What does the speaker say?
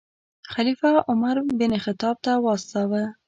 خلیفه عمر بن خطاب ته واستاوه.